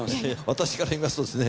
私から言いますとですね